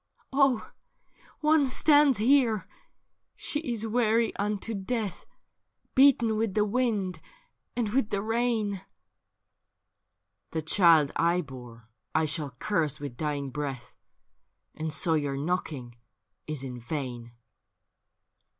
Oh ! one stands here— she is weary unto death, Beaten with the wind and with the rain.' ' The child I bore I shall curse with dying breath, And so your knocking is in vain.''